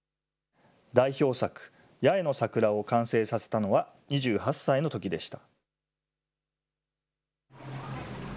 代表作、八重の桜を完成させたのは２８歳のときでした。